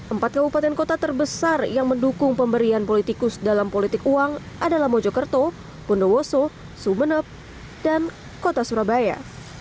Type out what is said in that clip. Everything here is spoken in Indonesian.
empat kabupaten kota terbesar yang mendukung pemberian politikus dalam politik uang adalah mojokerto bondowoso sumeneb dan kota surabaya